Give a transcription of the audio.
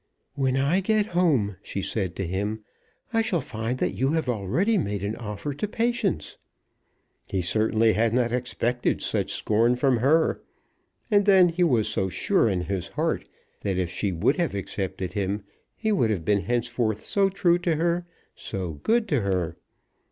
"When I get home," she had said to him, "I shall find that you have already made an offer to Patience!" He certainly had not expected such scorn from her. And then he was so sure in his heart that if she would have accepted him, he would have been henceforth so true to her, so good to her!